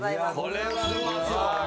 これはうまそう！